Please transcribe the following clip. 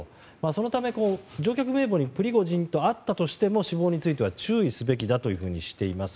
そのため、乗客名簿にプリゴジンとあったとしても死亡については注意すべきだというふうにしています。